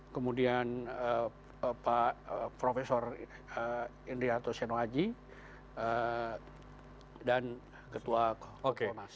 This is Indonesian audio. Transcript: kemudian pak profesor indriyato senoaji dan ketua komnas